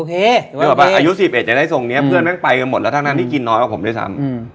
โอเคอายุสิบเอ็ดยังได้ทรงเนี้ยเพื่อนแม่งไปกันหมดแล้วทั้งนั้นที่กินน้อยกว่าผมด้วยซ้ำ